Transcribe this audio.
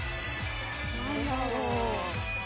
何だろう？